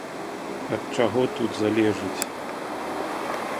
Ад чаго тут залежыць?